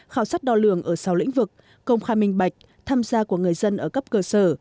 khảo sát đo lường ở sáu lĩnh vực công khai minh bạch tham gia của người dân ở cấp cơ sở